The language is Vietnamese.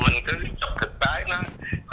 mình cứ chụp thực tế